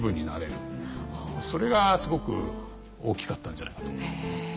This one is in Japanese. それがすごく大きかったんじゃないかと思いますね。